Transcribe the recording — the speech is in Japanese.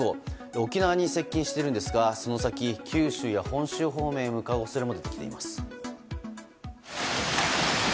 沖縄に接近してるんですがその先九州や本州方面へ向かう恐れも出てきています。